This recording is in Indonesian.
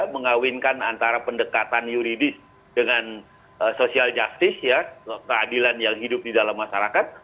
mengawinkan antara pendekatan yuridis dengan social justice ya keadilan yang hidup di dalam masyarakat